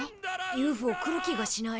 ＵＦＯ来る気がしない。